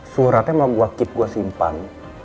suratnya mau gua keep gua simpan